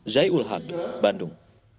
zai ul haq bandung